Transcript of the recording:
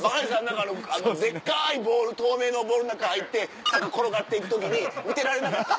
デッカい透明のボールの中入って坂転がっていく時に見てられなかった。